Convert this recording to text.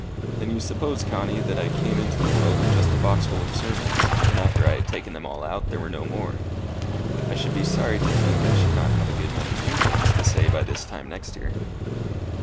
"Then you suppose, Connie, that I came into the world with just a boxful of sermons, and after I had taken them all out there were no more. I should be sorry to think I should not have a good many new things to say by this time next year."